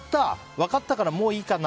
分かったからもういいかな？